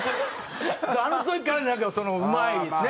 あの時からなんかうまいですね。